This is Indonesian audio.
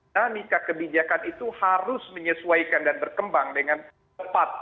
namika kebijakan itu harus menyesuaikan dan berkembang dengan tepat